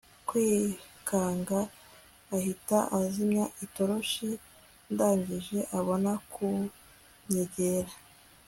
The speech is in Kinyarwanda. kwikanga ahita azimya itoroshi ndangije abona kunyegera